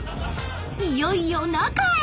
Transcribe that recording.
［いよいよ中へ！